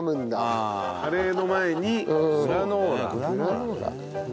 カレーの前にグラノーラ。